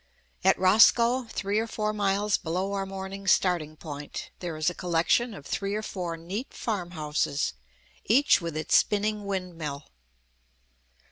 At Roscoe, three or four miles below our morning's starting point, there is a collection of three or four neat farm houses, each with its spinning windmill.